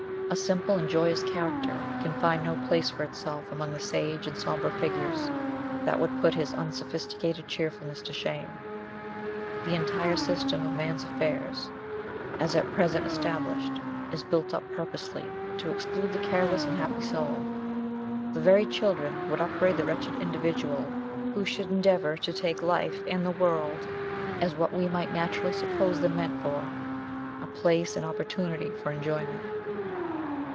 A simple and joyous character can find no place for itself among the sage and sombre figures that would put his unsophisticated cheerfulness to shame. The entire system of man's affairs, as at present established, is built up purposely to exclude the careless and happy soul. The very children would upbraid the wretched individual who should endeavor to take life and the world as w what we might naturally suppose them meant for a place and opportunity for enjoyment.